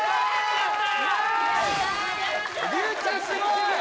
やった！